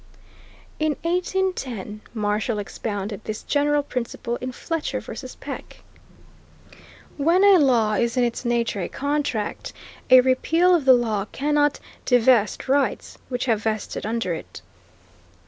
In 1810 Marshall expounded this general principle in Fletcher v. Peck. "When ... a law is in its nature a contract ... a repeal of the law cannot devest" rights which have vested under it.